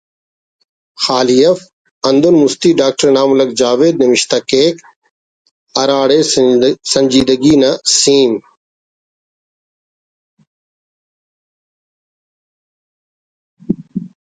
خالی اف ہندن مستی ڈاکٹر انعام الحق جاوید نوشتہ کیک کہ ”ہراڑے سنجیدگی نا سیم